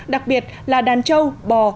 đặc biệt là đàn trâu bò